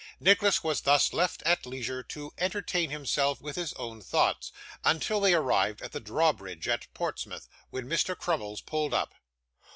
Nicholas was thus left at leisure to entertain himself with his own thoughts, until they arrived at the drawbridge at Portsmouth, when Mr. Crummles pulled up.